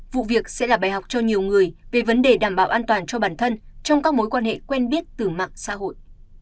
vụ việc sẽ là bài học cho nhiều người về vấn đề đảm bảo an toàn cho bản thân trong các mối quan hệ quen biết từ mạng xã hội